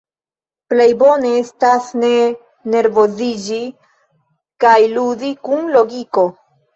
Plej bone estas ne nervoziĝi kaj ludi kun logiko.